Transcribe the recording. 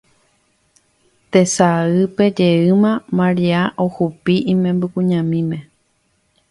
Tesaýpe jeýma Maria ohupi imembykuñamíme